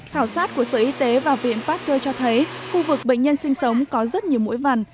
khảo sát của sở y tế và viện pasteur cho thấy khu vực bệnh nhân sinh sống có rất nhiều mũi vằn